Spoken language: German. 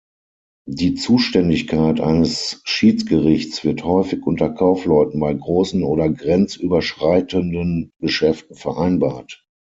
Die Zuständigkeit eines Schiedsgerichts wird häufig unter Kaufleuten bei großen oder grenzüberschreitenden Geschäften vereinbart.